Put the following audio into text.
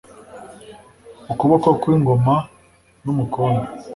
Ukuboko kw'ingoma n' Umukondo